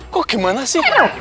kok gimana sih